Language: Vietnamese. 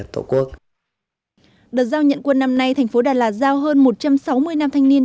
đợt giao nhận quân năm nay thành phố đà lạt giao hơn một trăm sáu mươi nam thanh niên